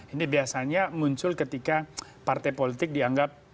ini biasanya muncul ketika partai politik dianggap